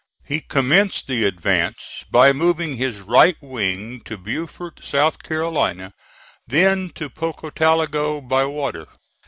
He commenced the advance by moving his right wing to Beaufort, South Carolina, then to Pocotaligo by water.